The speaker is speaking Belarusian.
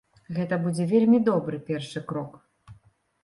Гэта будзе вельмі добры першы крок.